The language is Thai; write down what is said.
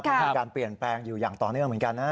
มีการเปลี่ยนแปลงอยู่อย่างต่อเนื่องเหมือนกันนะ